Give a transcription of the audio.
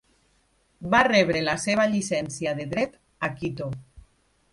Va rebre la seva llicència de dret a Quito.